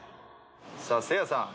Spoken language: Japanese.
さあせいやさん